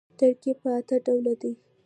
ترکیب پر اته ډوله دئ.